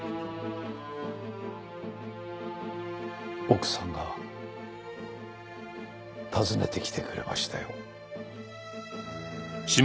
奥さんが訪ねて来てくれましたよ。